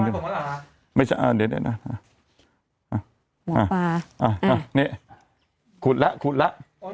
หมอปลา